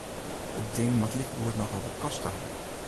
It ding moat likegoed nochal wat koste ha.